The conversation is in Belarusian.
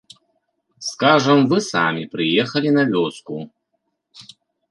Скажам, вы самі прыехалі на вёску.